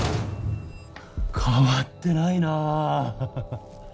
変わってないなあ